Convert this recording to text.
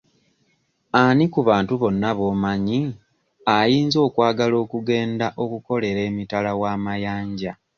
Ani ku bantu bonna b'omanyi ayinza okwagala okugenda okukolera emitala wa mayanja?